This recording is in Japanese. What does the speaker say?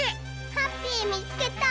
ハッピーみつけた！